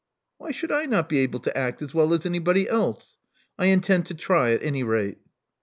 * Why should I not be able to act as well as anybody else? I intend to try, at any rate."